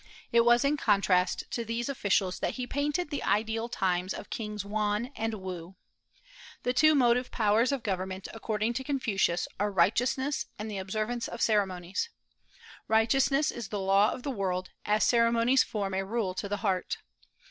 It was in contrast to these officials that he painted the ideal times of Kings Wan and Woo. The two motive powers of government, according to Confucius, are righteousness and the observance of ceremonies. Righteousness is the law of the world, as ceremonies form a rule to the heart.